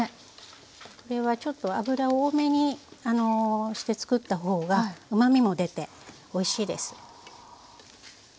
これはちょっと油多めにして作った方がうまみも出ておいしいです。